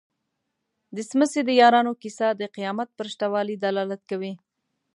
د څمڅې د یارانو کيسه د قيامت پر شته والي دلالت کوي.